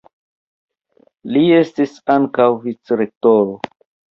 Li estis ankaŭ vicrektoro.